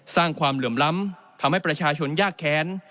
ความเหลื่อมล้ำทำให้ประชาชนยากแค้น